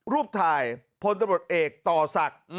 รูปถ่ายพลตำรวจเอกต่อศักดิ์